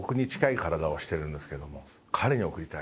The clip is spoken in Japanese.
彼に贈りたい。